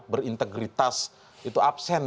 berintegritas itu absen